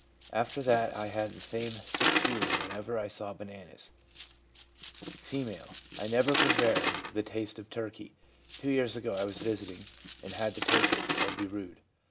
After that I had the same sick feeling whenever I saw bananas/ F. ' I never could bear the taste of turkey. Two years ago, I was visiting, and had to take it, or be rude.